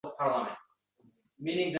Ertasiga ko'chaga xotirjam chiqdim